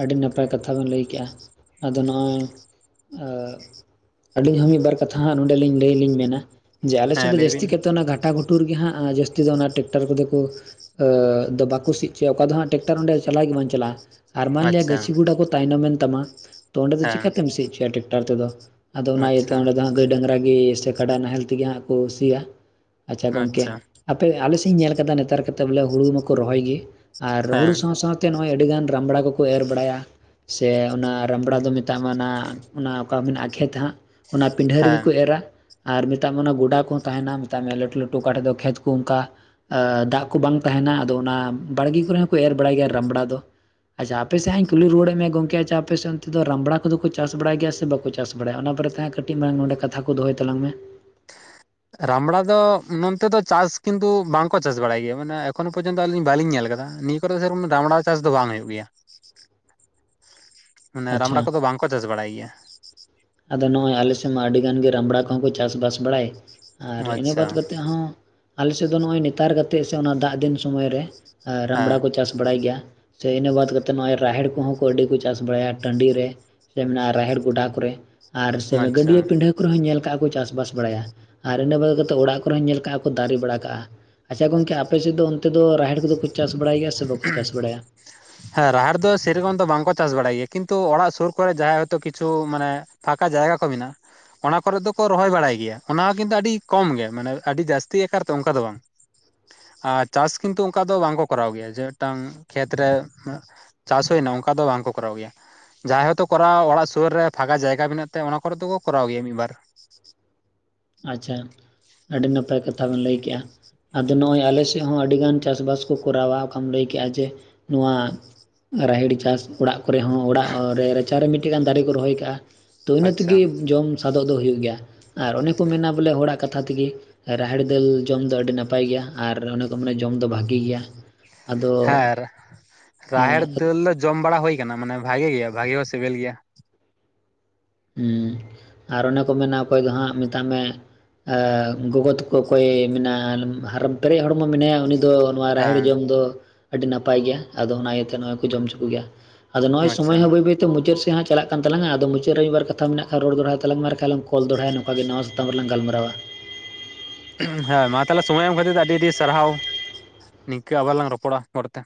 ᱟᱹᱰᱤ ᱱᱟᱯᱟᱭ ᱠᱟᱛᱷᱟ ᱵᱤᱱ ᱞᱟᱹᱭ ᱠᱮᱜ-ᱟ ᱟᱫᱚ ᱱᱚᱜ-ᱚᱭ ᱟᱹᱞᱤᱧ ᱦᱚᱸ ᱢᱤᱫᱵᱟᱨ ᱠᱟᱛᱷᱟ ᱱᱚᱰᱮ ᱞᱟᱹᱭ ᱞᱤᱧ ᱢᱮᱱᱟ ᱡᱮ ᱟᱞᱮᱥᱮᱫ
ᱦᱮᱸ
ᱫᱚ
ᱞᱟᱹᱭ ᱵᱤᱱ
ᱡᱟᱹᱥᱛᱤ ᱠᱟᱛᱮ ᱚᱱᱟ ᱜᱷᱟᱴᱟ ᱜᱷᱩᱴᱩ ᱞᱩᱴᱩᱨ ᱜᱮ ᱦᱟᱸᱜ ᱡᱟᱹᱥᱛᱤ ᱫᱚ ᱚᱱᱟ ᱴᱮᱠᱴᱟᱨ ᱠᱚᱫᱚ ᱠᱚ ᱵᱟᱠᱚ ᱥᱤ ᱚᱪᱚᱭᱟ ᱚᱠᱟ ᱫᱚ ᱦᱟᱸᱟᱜ ᱴᱮᱠᱴᱟᱨ ᱚᱸᱰᱮ ᱪᱟᱞᱟᱣ ᱜᱮ ᱵᱟᱝ ᱪᱟᱞᱟᱜᱼᱟ ᱟᱨ ᱢᱟᱱᱞᱮᱭᱟ
ᱟᱪᱪᱷᱟ
ᱜᱟᱹᱪᱷᱤ ᱜᱚᱰᱟ ᱠᱚ ᱛᱟᱭᱱᱚᱢᱮᱱ ᱛᱟᱢᱟ ᱛᱚ ᱚᱸᱰᱮ ᱫᱚ
ᱦᱮᱸ
ᱪᱤᱠᱟᱛᱮᱢ ᱥᱤ ᱚᱪᱚᱭ-ᱟ ᱴᱮᱠᱴᱟᱨ ᱛᱮᱫᱚ ᱟᱫᱚ ᱚᱱᱟ ᱤᱭᱟᱹᱛᱮ
ᱟᱪᱪᱷᱟ
ᱚᱸᱰᱮ ᱫᱚ ᱦᱟᱸ ᱜᱟᱹᱭ [unintelligible] ᱰᱟᱝᱨᱟ ᱜᱮ ᱥᱮ ᱠᱟᱰᱟ ᱱᱟᱦᱮᱞ ᱛᱮᱜᱮ ᱦᱟᱸᱜ ᱠᱚ ᱥᱤᱭᱟ ᱟᱪᱷᱟ ᱜᱚᱢᱠᱮ
ᱟᱪᱪᱷᱟ
ᱟᱯᱮ ᱟᱞᱮᱥᱮᱫ ᱤᱧ ᱧᱮᱞ ᱟᱠᱟᱫᱟ ᱱᱮᱛᱟᱨ ᱠᱟᱛᱮ ᱵᱚᱞᱮ ᱦᱩᱲᱩ ᱢᱟᱠᱚ ᱨᱚᱦᱚᱭ ᱜᱮ ᱟᱨ ᱦᱩᱲᱩ
ᱦᱮᱸ
ᱥᱟᱶ ᱥᱟᱶᱛᱮ ᱛᱮ ᱱᱚᱜᱼᱚᱭ ᱟᱹᱰᱤ ᱜᱟᱱ ᱨᱟᱢᱵᱲᱟ ᱠᱚᱠᱚ ᱮᱨ ᱵᱟᱲᱟᱭ-ᱟ ᱾ ᱥᱮ ᱚᱱᱟ ᱨᱟᱢᱲᱟ ᱫᱚ ᱢᱮᱛᱟᱜ ᱢᱟ ᱚᱱᱟ ᱚᱱᱟ ᱚᱠᱟ ᱢᱮᱱᱟᱜ-ᱟ ᱠᱷᱮᱛ ᱦᱟᱸᱜ᱾ ᱚᱱᱟ ᱯᱤᱸᱰᱷᱟᱹ ᱨᱮᱜᱮ
ᱦᱮᱸ
ᱠᱩ ᱮᱨ ᱟ᱾ ᱟᱨ ᱢᱮᱛᱟᱜ ᱢᱮ ᱚᱱᱟ ᱜᱚᱰᱟ ᱠᱚᱦᱚᱸ ᱛᱟᱦᱮᱱᱟ ᱢᱮᱛᱟᱜ ᱢᱮᱭᱟ ᱞᱟᱹᱴᱩ ᱞᱟᱹᱴᱩ ᱚᱠᱟᱴᱮᱫ ᱫᱚ ᱠᱷᱮᱛ ᱠᱚ ᱚᱝᱠᱟ ᱟ ᱫᱟᱜ ᱠᱚ ᱵᱟᱝ ᱛᱟᱦᱮᱱᱟ ᱟᱫᱚ ᱚᱱᱟ ᱵᱟᱲᱜᱮ ᱠᱚᱨᱮ ᱦᱚᱸᱠᱚ ᱮᱨ ᱵᱟᱲᱟᱭ ᱜᱮᱭᱟ ᱨᱟᱢᱲᱟ ᱫᱚ᱾ ᱟᱪᱷᱟ ᱟᱯᱮ ᱥᱮᱡ ᱦᱟᱸᱜ ᱠᱩᱞᱤ ᱨᱩᱣᱟᱹᱲᱮᱜ ᱢᱮᱭᱟ ᱜᱚᱢᱠᱮ ᱟᱪᱷᱟ ᱟᱯᱮ ᱥᱮᱫ ᱚᱱᱛᱮ ᱫᱚ ᱨᱟᱢᱲᱟ ᱠᱚᱫᱚ ᱠᱚ ᱪᱟᱥ ᱵᱟᱲᱟᱭ ᱜᱮᱭᱟ ᱥᱮ ᱵᱟᱠᱚ ᱪᱟᱥ ᱵᱟᱲᱟᱭᱟ ᱚᱱᱟ ᱯᱚᱨᱮ ᱛᱟᱦᱮᱸ ᱠᱟᱹᱴᱤᱡ ᱢᱟᱨᱟᱝ ᱱᱚᱰᱮ ᱠᱟᱛᱷᱟ ᱠᱚ ᱫᱚᱦᱚᱭ ᱛᱟᱞᱟᱝ ᱢᱮ᱾
ᱨᱟᱢᱲᱟ ᱫᱚ ᱱᱚᱱᱛᱮ ᱫᱚ ᱪᱟᱥ ᱠᱤᱱᱛᱩ ᱵᱟᱝᱠᱚ ᱪᱟᱥ ᱵᱟᱲᱟᱭ ᱜᱮᱭᱟ ᱢᱟᱱᱮ ᱮᱠᱷᱚᱱᱳ ᱯᱚᱨᱡᱚᱱᱛᱚ ᱟᱹᱞᱤᱧ ᱵᱟᱞᱤᱧ ᱧᱮᱞ ᱟᱠᱟᱫᱟ ᱱᱤᱛ ᱠᱚ ᱨᱮ [inaudible] ᱫᱟᱢᱲᱟ ᱪᱟᱥ ᱫᱚ ᱵᱟᱝ ᱦᱩᱭᱩᱜ ᱜᱮᱭᱟ᱾ ᱢᱟᱱᱮ
ᱟᱪᱪᱷᱟ
ᱨᱟᱢᱲᱟ ᱠᱚᱫᱚ ᱵᱟᱝᱠᱚ ᱪᱟᱥ ᱵᱟᱲᱟᱭ ᱜᱮᱭᱟ᱾
ᱟᱫᱚ ᱱᱚᱜᱼᱚᱭ ᱟᱞᱮ ᱥᱮᱫ ᱢᱟ ᱟᱹᱰᱤ ᱜᱟᱱ ᱜᱮ ᱨᱟᱢᱵᱲᱟ ᱠᱚᱦᱚᱸ ᱠᱚ ᱪᱟᱥᱵᱟᱥ ᱵᱟᱲᱟᱭ᱾ ᱟᱨ ᱤᱱᱟᱹ ᱵᱟᱫᱽ
ᱟᱪᱪᱷᱟ
ᱠᱟᱛᱮᱜ ᱦᱚᱸ ᱟᱞᱮ ᱥᱮᱫ ᱫᱚ ᱱᱚᱜᱼᱚᱭ ᱱᱮᱛᱟᱨ ᱠᱟᱛᱮᱜ ᱥᱮ ᱫᱟᱜ ᱫᱤᱱ ᱥᱚᱢᱚᱭ ᱨᱮ᱾ ᱟ ᱨᱟᱢᱵᱲᱟ ᱠᱚ
ᱦᱮᱸ
ᱪᱟᱥ ᱵᱟᱲᱟᱭ ᱜᱮᱭᱟ᱾ ᱥᱮ ᱤᱱᱟᱹ ᱵᱟᱫᱽ ᱠᱟᱛᱮᱫ ᱱᱚᱜᱼᱚᱭ ᱨᱟᱦᱮᱲ ᱠᱚᱦᱚᱸ ᱠᱚ ᱟᱹᱰᱤ ᱠᱚ ᱪᱟᱥ ᱵᱟᱲᱟᱭᱟ ᱴᱟᱺᱰᱤ ᱨᱮ᱾ ᱥᱮ ᱢᱮᱱᱟᱜᱼᱟ ᱨᱟᱦᱮᱲ ᱜᱚᱰᱟ ᱠᱚᱨᱮ ᱟᱨ ᱥᱮ
ᱟᱪᱪᱷᱟ
ᱜᱟᱹᱰᱭᱟᱹ ᱯᱤᱰᱷᱟᱹ ᱠᱚᱨᱮ ᱦᱚᱸᱧ ᱧᱮᱞ ᱠᱟᱜᱼᱟ ᱠᱚ ᱪᱟᱥ ᱵᱟᱲᱟᱭᱟ ᱟᱨ ᱤᱱᱟᱹ ᱵᱟᱫᱽ ᱠᱟᱛᱮ ᱚᱲᱟᱜ ᱠᱚᱨᱮ ᱦᱚᱸᱧ ᱧᱮᱞ ᱠᱟᱜᱼᱟ ᱠᱚ ᱫᱟᱨᱮ ᱵᱟᱲᱟ ᱠᱟᱜᱼᱟ᱾ ᱟᱪᱪᱷᱟ ᱜᱚᱝᱠᱮ ᱟᱯᱮᱥᱮᱫ ᱫᱚ ᱚᱱᱛᱮ ᱫᱚ ᱨᱟᱦᱮᱲ ᱠᱚᱫᱚ ᱠᱚ ᱪᱟᱥ ᱵᱟᱲᱟᱭ ᱜᱮᱭᱟ ᱥᱮ ᱵᱟᱠᱚ ᱪᱟᱥ ᱵᱟᱲᱟᱭᱟ᱾
ᱦᱮᱸ ᱨᱟᱦᱮᱲ ᱫᱚ ᱥᱮᱨᱚᱠᱚᱢ ᱫᱚ ᱵᱟᱝᱠᱚ ᱪᱟᱥ ᱵᱟᱲᱟᱭ ᱜᱮᱭᱟ ᱠᱤᱱᱛᱩ ᱚᱲᱟᱜ ᱥᱩᱨ ᱠᱚᱨᱮ ᱡᱟᱦᱟᱸᱭ ᱦᱚᱭᱛᱳ ᱠᱤᱪᱷᱩ ᱢᱟᱱᱮ ᱯᱷᱟᱠᱟ ᱡᱟᱭᱜᱟ ᱠᱚ ᱢᱮᱱᱟᱜᱼᱟ᱾ ᱚᱱᱟ ᱠᱚᱨᱮ ᱫᱚᱠᱚ ᱨᱚᱦᱚᱭ ᱵᱟᱲᱟᱭ ᱜᱮᱭᱟ ᱚᱱᱟ ᱦᱚᱸ ᱠᱤᱱᱛᱩ ᱟᱹᱰᱤ ᱠᱚᱢ ᱜᱮ ᱢᱟᱱᱮ ᱟᱹᱰᱤ ᱡᱟᱹᱥᱛᱤ ᱟᱠᱟᱨ ᱛᱮ ᱚᱱᱠᱟ ᱫᱚ ᱵᱟᱝ᱾
[inaudible]
ᱟᱨ ᱪᱟᱥ ᱠᱤᱱᱛᱩ ᱚᱱᱠᱟ ᱫᱚ ᱵᱟᱝᱠᱚ ᱠᱚᱨᱟᱣ ᱜᱮᱭᱟ ᱡᱮ ᱢᱤᱫᱴᱟᱝ ᱠᱷᱮᱛᱨᱮ ᱪᱟᱥ ᱦᱩᱭᱱᱟ ᱚᱱᱠᱟ ᱫᱚ ᱵᱟᱝ ᱠᱚᱨᱟᱣ ᱜᱮᱭᱟ᱾ ᱡᱟᱦᱟᱸᱭ ᱦᱚᱛᱳ ᱠᱚᱨᱟᱣᱟ ᱚᱲᱟᱜ ᱥᱩᱨᱨᱮ ᱯᱷᱟᱸᱠᱟ ᱡᱟᱭᱜᱟ ᱢᱮᱱᱟᱜ ᱛᱟᱭᱟ ᱚᱱᱟ ᱠᱚᱨᱮ ᱫᱚᱠᱚ ᱠᱚᱨᱟᱣ ᱜᱮᱭᱟ ᱢᱤᱫ ᱵᱟᱨ᱾
ᱟᱪᱪᱷᱟ ᱟᱹᱰᱤ ᱱᱟᱯᱟᱭ ᱠᱟᱛᱷᱟ ᱵᱤᱱ ᱞᱟᱹᱭ ᱠᱮᱜᱼᱟ᱾ ᱟᱫᱚ ᱱᱚᱜᱼᱚᱭ ᱟᱞᱮ ᱥᱮᱫ ᱦᱚᱸ ᱟᱹᱰᱤᱜᱟᱱ ᱪᱟᱥᱼᱵᱟᱥ ᱠᱚ ᱠᱚᱨᱟᱣᱟ ᱚᱠᱟᱢ ᱞᱟᱹᱭ ᱠᱮᱜᱼᱟ ᱡᱮ ᱱᱚᱣᱟ ᱨᱟᱦᱮᱲ ᱪᱟᱥ ᱚᱲᱟᱜ ᱠᱚᱨᱮ ᱦᱚᱸ ᱚᱲᱟᱜ ᱨᱮ ᱨᱟᱪᱟᱨᱮ ᱢᱤᱫᱴᱮᱱ ᱜᱟᱱ ᱫᱟᱨᱮ ᱠᱚ ᱨᱚᱦᱚᱭ ᱠᱟᱜᱼᱟ᱾ ᱛᱚ ᱤᱱᱟᱹ
ᱟᱪᱪᱷᱟ
ᱛᱮᱜᱮ ᱡᱚᱢ ᱥᱟᱫᱚᱜ ᱫᱚ ᱦᱩᱭᱩᱜ ᱜᱮᱭᱟ ᱟᱨ ᱚᱱᱮ ᱠᱚ ᱢᱮᱱᱟ ᱵᱚᱞᱮ ᱦᱚᱲᱟᱜ ᱠᱟᱛᱷᱟ ᱛᱮᱜᱮ ᱨᱟᱦᱮᱲ ᱫᱟᱹᱞ ᱡᱚᱢ ᱫᱚ ᱟᱹᱰᱤ ᱱᱟᱯᱟᱭ ᱜᱮᱭᱟ ᱟᱨ ᱚᱱᱮ ᱠᱚ ᱢᱟᱱᱮ ᱡᱚᱢ ᱫᱚ ᱵᱷᱟᱹᱜᱤ ᱜᱮᱭᱟ᱾ ᱟᱫᱚ
ᱟᱨ ᱨᱟᱦᱮᱲ
ᱦᱮᱸ
ᱫᱟᱹᱞ ᱫᱚ ᱡᱚᱢ ᱵᱟᱲᱟ ᱦᱩᱭ ᱟᱠᱟᱱᱟ ᱢᱟᱱᱮ ᱵᱷᱟᱹᱜᱤ ᱜᱮᱭᱟ ᱵᱷᱟᱜᱮ ᱦᱚᱸ ᱥᱤᱵᱤᱞ ᱜᱮᱭᱟ᱾
ᱦᱮᱸ ᱟᱨ ᱚᱱᱮ ᱠᱚ ᱢᱮᱱᱟ ᱚᱠᱚᱭ ᱫᱚ ᱦᱟᱸᱜ ᱢᱮᱛᱟᱜ ᱢᱮ᱾ ᱟ ᱜᱚᱜᱚ ᱛᱟᱠᱚ ᱚᱠᱚᱭ ᱢᱮᱱᱟ [unintelligible] ᱯᱮᱨᱮᱡ ᱦᱚᱲᱢᱚ ᱢᱮᱱᱟᱭᱟ ᱩᱱᱤ ᱫᱚᱼᱼ ᱱᱚᱣᱟ ᱨᱟᱦᱮᱲ
ᱦᱮᱸ
ᱡᱚᱢ ᱫᱚ ᱟᱹᱰᱤ ᱱᱟᱯᱟᱭ ᱜᱮᱭᱟ ᱟᱫᱚ ᱚᱱᱟ ᱤᱭᱟᱹᱛᱮ ᱱᱚᱜᱼᱚᱭ ᱠᱚ ᱡᱚᱢ ᱦᱚᱪᱚ ᱠᱚ ᱜᱮᱭᱟ᱾ ᱟᱫᱚ ᱱᱚᱜᱼᱚᱭ
ᱟᱪᱪᱷᱟ
ᱥᱚᱢᱚᱭ ᱦᱚᱸ ᱵᱟᱹᱭ ᱵᱟᱹᱭᱛᱮ ᱢᱩᱪᱟᱹᱫ ᱥᱮ ᱦᱟᱸᱜ ᱪᱟᱞᱟᱜ ᱠᱟᱱ ᱛᱟᱞᱟᱟ ᱟᱫᱚ ᱪᱮᱫ ᱨᱮ ᱢᱤᱫ ᱵᱟᱨ ᱠᱟᱛᱷᱟ ᱢᱮᱱᱟᱜ ᱠᱷᱟᱱ ᱨᱚᱲ ᱫᱚᱲᱦᱲᱟ ᱛᱟᱞᱟᱝ ᱢᱮ ᱟᱨ ᱠᱷᱟᱡ ᱞᱟᱝ ᱠᱚᱞ ᱫᱚᱲᱦᱟᱭᱟ ᱱᱚᱝᱠᱟ ᱜᱮ ᱱᱚᱣᱟᱣᱟ ᱥᱟᱛᱟᱢ ᱨᱮᱞᱟᱝ ᱜᱟᱞᱢᱟᱨᱟᱣᱟ᱾
ᱦᱮᱸ ᱢᱟ ᱛᱟᱦᱚᱞᱮ ᱥᱚᱢᱚᱭ ᱮᱢ ᱠᱷᱟᱹᱛᱤᱨ ᱟᱹᱰᱤ ᱟᱹᱰᱤ ᱥᱟᱨᱦᱟᱣ ᱱᱤᱝᱠᱟᱹ ᱟᱵᱟᱨ ᱞᱟᱝ ᱨᱚᱯᱚᱲᱟ ᱯᱚᱲᱮᱛᱮ᱾